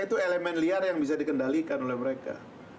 itu elemen liar yang bisa dikendalikan oleh mereka